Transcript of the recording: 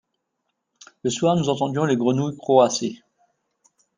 le soir nous entendions les grenouilles croasser.